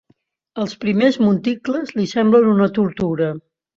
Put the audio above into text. Els primers monticles li semblen una tortura.